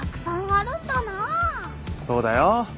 そうだよ。